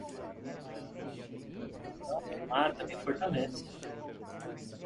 O que não me mata, me fortalece.